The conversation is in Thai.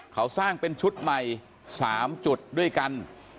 เขาสร้างเป็นชุดใหม่๓จุดด้วยกัน